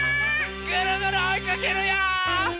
ぐるぐるおいかけるよ！